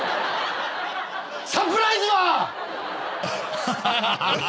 サプライズは？えっ？